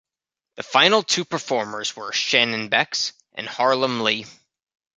The final two performers were Shannon Bex and Harlemm Lee.